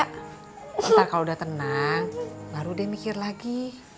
kalau udah tenang baru deh mikir lagi